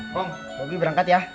kong bobby berangkat ya